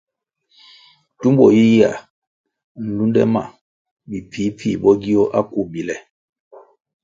Tumbo yiyia nlunde ma bi pfihpfih bo gio akubile.